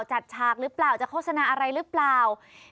จะจัดชาติหรือเปล่าจะโฆษณาอะไรหรือเปล่า